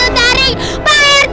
hantu taring pak rt